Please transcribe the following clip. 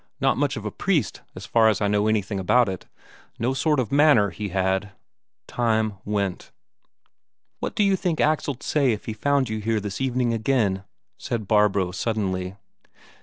Not much of a priest, as far as I know anything about it; no sort of manner, he had." Time went. "What d'you think Axel'd say if he found you here this evening again?" said Barbro suddenly.